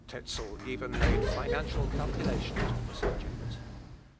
Tezel even made financial calculations on the subject.